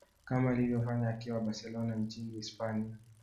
kama alivyofanya akiwa barcelona nchini hispania